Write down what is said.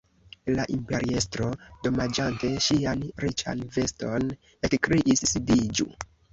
La imperiestro, domaĝante ŝian riĉan veston, ekkriis: "sidiĝu! »